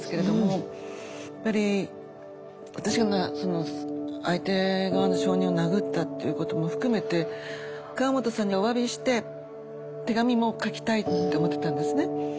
やっぱり私がその相手側の証人を殴ったっていうことも含めて川本さんにおわびして手紙も書きたいって思ってたんですね。